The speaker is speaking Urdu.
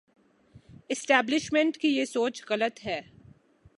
اسٹیبلشمنٹ کی یہ سوچ غلط ہے۔